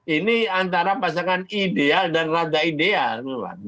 ini antara pasangan ideal dan rada ideal